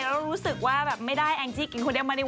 แล้วรู้สึกว่าแบบไม่ได้แองจี้กินคนเดียวมาริว